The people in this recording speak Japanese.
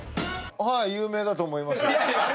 有名だと思います。